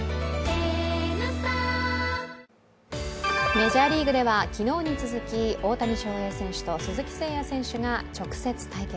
メジャーリーグでは昨日に続き大谷翔平選手と鈴木誠也選手が直接対決。